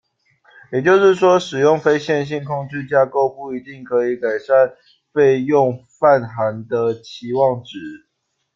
也就是说「使用非线性控制架构不一定可以改善费用泛函的期望值」。